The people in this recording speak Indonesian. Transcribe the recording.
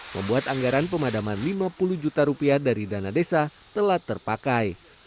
membuat anggaran pemadaman lima puluh juta rupiah dari dana desa telah terpakai